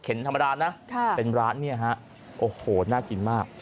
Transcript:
โอ้โหน่ากินมาก